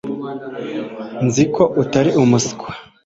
nzi ko utari umuswa